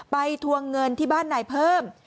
ทวงเงินที่บ้านนายเพิ่ม